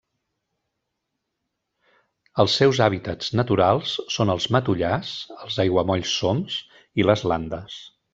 Els seus hàbitats naturals són els matollars, els aiguamolls soms i les landes.